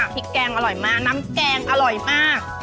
พริกแกงอร่อยมากน้ำแกงอร่อยมาก